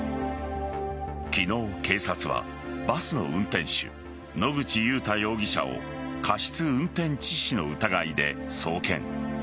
昨日、警察はバスの運転手野口祐太容疑者を過失運転致死の疑いで送検。